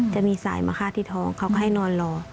จะมีสายมาฆ่าที่ท้องเขาก็ให้นอนรอ